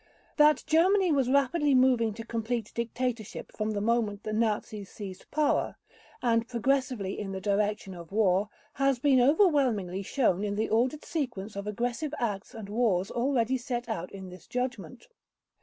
That Germany was rapidly moving to complete dictatorship from the moment that the Nazis seized power, and progressively in the direction of war, has been overwhelmingly shown in the ordered sequence of aggressive acts and wars already set out in this Judgment.